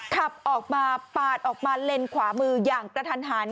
ขับออกมาปาดออกมาเลนขวามืออย่างกระทันหัน